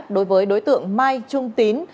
đối với đối tượng mai trung tín